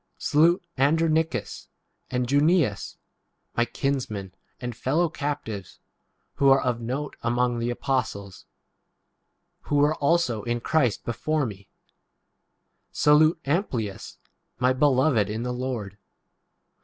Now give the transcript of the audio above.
Salute Andronicus and Junias, my kinsmen and fellow captives, who are of note among the apostles ; who were also in 8 Christ before me. Salute Amplias, 9 my beloved in the Lord.